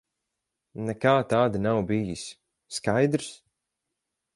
Nekā tāda nav bijis. Skaidrs?